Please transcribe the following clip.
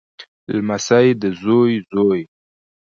لمسی دزوی زوی